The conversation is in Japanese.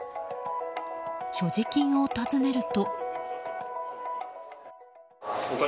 所持金を尋ねると。